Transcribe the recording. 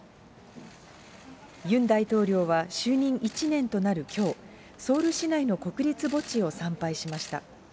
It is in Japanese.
ユン大統領は就任１年となるきょう、ソウル市内の国立墓地を参拝しました。